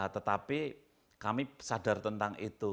tetapi kami sadar tentang itu